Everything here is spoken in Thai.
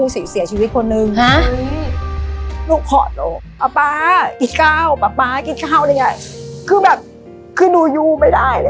ติดตามชมกันได้ช่วงหน้าครับ